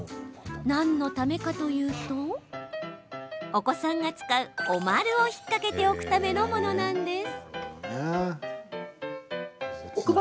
何のためかというとお子さんが使うおまるを引っ掛けておくためのものなんです。